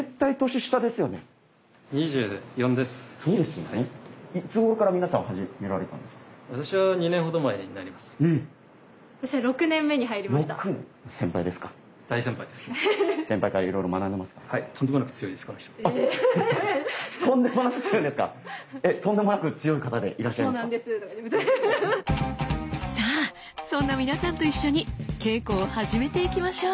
さあそんな皆さんと一緒に稽古を始めていきましょう！